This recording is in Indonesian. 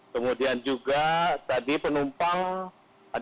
kemudian juga tadi penumpang ada delapan orang